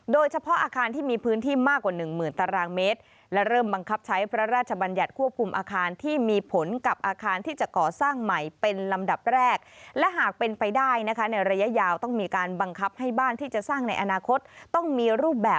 โดยเฉพาะอาคารที่มีพื้นที่